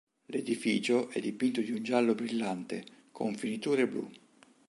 L'edificio è dipinto di un giallo brillante, con finiture blu.